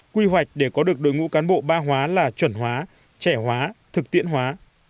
quy hoạch để có được đội ngũ cán bộ ba hóa là chuẩn hóa trẻ hóa thực tiễn hóa